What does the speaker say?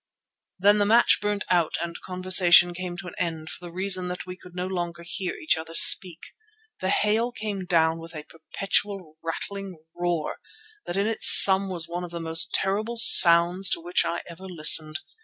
Then the match burnt out and conversation came to an end for the reason that we could no longer hear each other speak. The hail came down with a perpetual, rattling roar, that in its sum was one of the most terrible sounds to which I ever listened.